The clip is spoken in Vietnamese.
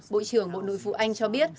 bộ trưởng bộ nội vụ anh cho biết